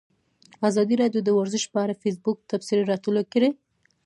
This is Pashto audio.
ازادي راډیو د ورزش په اړه د فیسبوک تبصرې راټولې کړي.